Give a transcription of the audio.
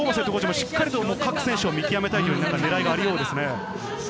ＨＣもしっかり各選手を見極めたい狙いがあるようですね。